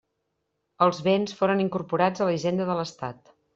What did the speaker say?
Els béns foren incorporats a la hisenda de l'Estat.